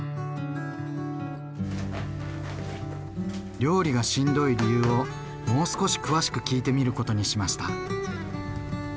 料理がしんどい理由をもう少し詳しく聞いてみることにしました。